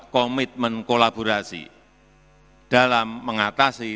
komitmen kolaborasi dalam mengatasi